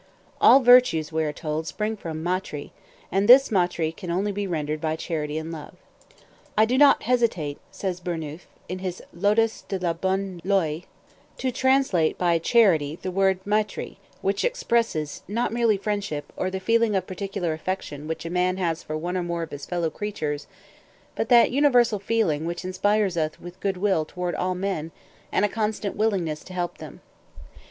All virtues, we are told, spring from maitrî, and this maitrî can only be rendered by charity and love. "I do not hesitate," says Burnouf, in his Lotus de la Bonne Loi, "to translate by 'charity' the word maitrî, which expresses, not merely friendship, or the feeling of particular affection which a man has for one or more of his fellow creatures, but that universal feeling which inspires us with good will toward all men and a constant willingness to help them."